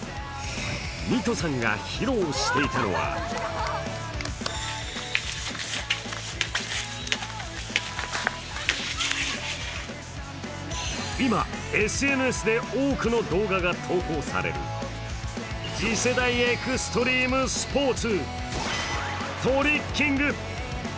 弥都さんが披露していたのは今、ＳＮＳで多くの動画が投稿される次世代エクストリームスポーツ、トリッキング。